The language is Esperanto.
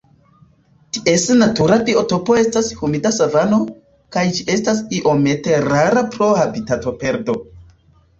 Ties natura biotopo estas humida savano, kaj ĝi estas iomete rara pro habitatoperdo.